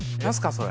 それ。